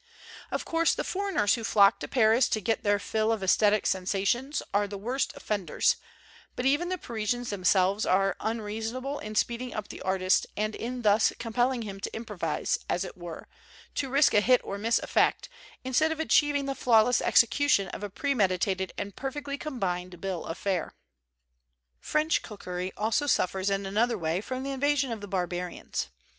Of course, the foreigners who flock to Paris to get their fill of esthetic sensations are the worst offenders; but even the Parisians themselves are unreasonable in speeding up the artist and in thus compelling him to improvise, as it were, to risk a hit or miss effect, instead of achieving the flawless execution of a premeditated and per fectly combined bill of fare. French cookery also suffers in another way from the invasion of the barbarians.